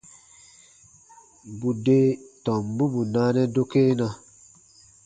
Bù de tombu bù naanɛ dokena.